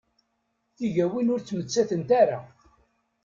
Tigawin ur ttmettatent ara.